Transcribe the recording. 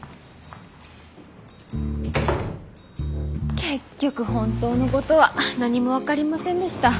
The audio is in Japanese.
結局本当のことは何も分かりませんでした。